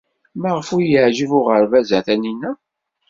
Maɣef ay yeɛjeb uɣerbaz-a Taninna?